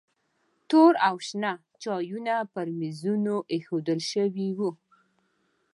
تور او شنه چایونه پر میزونو ایښودل شوي وو.